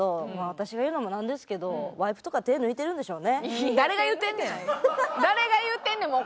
私が言うのもなんですけどワイプとか手抜いてるんでしょうね。